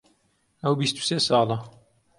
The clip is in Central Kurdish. ئەو بیست و سێ ساڵە.